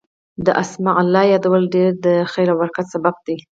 د اسماء الله يادول ډير د خير او برکت سبب دی